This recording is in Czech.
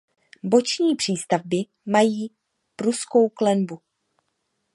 Boční přístavby mají pruskou klenbu.